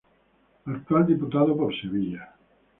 Actual Diputado por Sevilla.